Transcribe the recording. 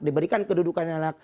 diberikan kedudukan yang layak